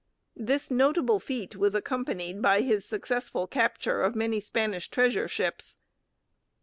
This notable feat was accompanied by his successful capture of many Spanish treasure ships.